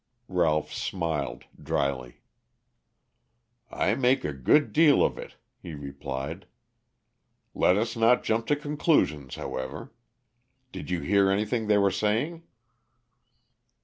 Ralph smiled dryly. "I make a good deal of it," he replied. "Let us not jump to conclusions, however. Did you hear anything they were saying?"